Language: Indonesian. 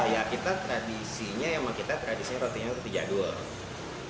ya kita tradisinya rotinya roti jadul